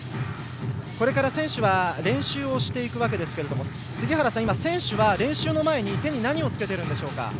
これから選手は練習をしていくわけですが杉原さん、選手は練習の前に手に何をつけているんでしょうか。